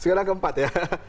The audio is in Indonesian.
sekarang keempat ya